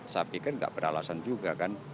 saya pikir nggak beralasan juga kan